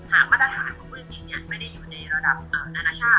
ถามมาตรฐานของปฏิเสธไม่ได้อยู่ในระดับนานชาติ